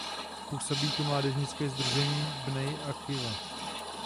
Působí tu mládežnické sdružení Bnej Akiva.